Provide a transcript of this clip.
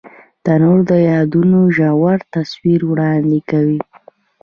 تنور د یادونو ژور تصویر وړاندې کوي